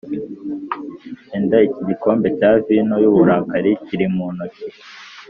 Enda iki gikombe cya vino y uburakari kiri mu ntoki